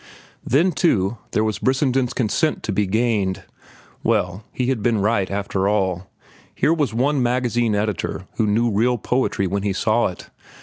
Then, too, there was Brissenden's consent to be gained. Well, he had been right, after all. Here was one magazine editor who knew real poetry when he saw it.